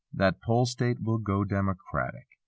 That Pole state will go Democratic.